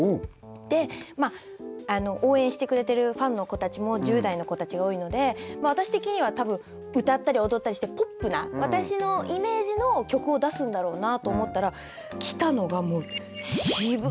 でまあ応援してくれてるファンの子たちも１０代の子たちが多いので私的には歌ったり踊ったりしてポップな私のイメージの曲を出すんだろうなと思ったら来たのがもう渋いバラードだったんですよ。